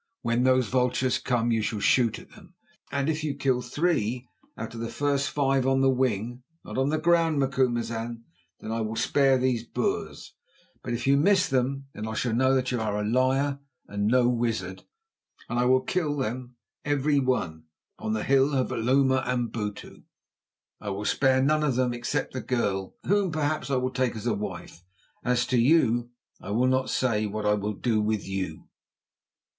When those vultures come you shall shoot at them, and if you kill three out of the first five on the wing—not on the ground, Macumazahn—then I will spare these Boers. But if you miss them, then I shall know that you are a liar and no wizard, and I will kill them every one on the hill Hloma Amabutu. I will spare none of them except the girl, whom perhaps I will take as a wife. As to you, I will not yet say what I will do with you."